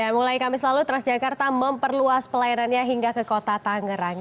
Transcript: mulai kamis lalu transjakarta memperluas pelayanannya hingga ke kota tangerang